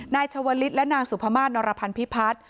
นายชวนฤทธิ์และนางสุภมาธินรพันธ์พิพัฒน์